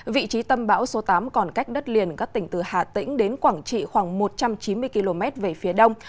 vị trí tâm bão số tám còn cách đất liền các tỉnh từ hà tĩnh đến quảng trị khoảng một trăm chín mươi km về phía đông